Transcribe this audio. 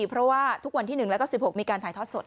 เพราะว่าทุกวันที่๑แล้วก็๑๖มีการถ่ายทอดสด